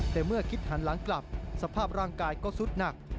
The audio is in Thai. แต่เมื่อคิดหันหลังกลับสภาพร่างกายก็สุดหนัก